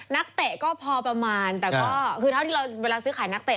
เตะก็พอประมาณแต่ก็คือเท่าที่เราเวลาซื้อขายนักเตะ